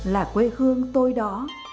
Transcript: là quê hương tôi đó